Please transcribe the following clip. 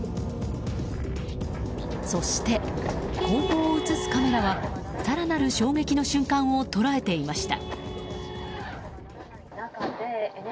そして、後方を映すカメラは更なる衝撃の瞬間を捉えていました。